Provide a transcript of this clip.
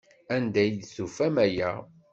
Anda ay d-tufamt aya?